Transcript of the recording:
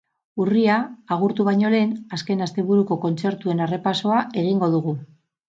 Urria agurtu baino lehen, azken asteburuko kontzertuen errepasoa egingo dugu.